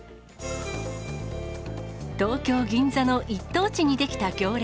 東京・銀座の一等地に出来た行列。